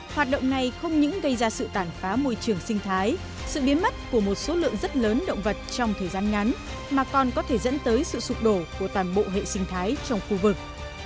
hoạt động này không những gây ra sự tản phá môi trường sinh thái sự biến mất của một số lượng rất lớn động vật trong thời gian ngắn mà còn có thể dẫn tới sự sụp đổ của toàn bộ hệ sinh thái trong khu vực